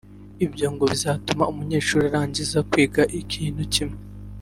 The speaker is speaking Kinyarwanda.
Ibyo ngo bizatuma Umunyeshuri urangije kwiga ikintu kimwe